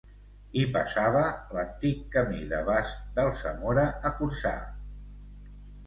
Hi passava l'antic camí de bast d'Alsamora a Corçà.